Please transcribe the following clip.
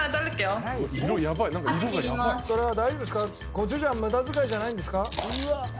コチュジャン無駄使いじゃないんですか？